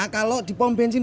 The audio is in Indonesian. kalau di bom benzin